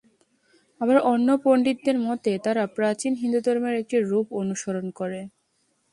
আবার অন্য পণ্ডিতদের মতে, তারা প্রাচীন হিন্দুধর্মের একটি রূপ অনুসরণ করে।